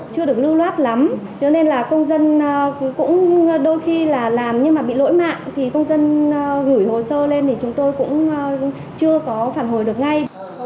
chưa được lưu loát lắm cho nên là công dân cũng đôi khi là làm nhưng mà bị lỗi mạng thì công dân gửi hồ sơ lên thì chúng tôi cũng chưa có phản hồi được ngay